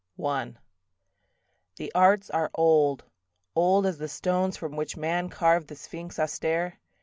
I The arts are old, old as the stones From which man carved the sphinx austere.